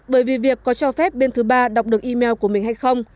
bởi vì việc có cho phép bên thứ ba đọc được email của mình hay không